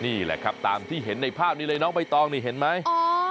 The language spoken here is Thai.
นี่แหละครับตามที่เห็นในภาพนี้เลยน้องใบตองนี่เห็นไหม